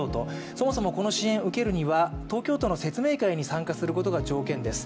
そもそもこの支援を受けるには東京都の説明会に参加することが条件です。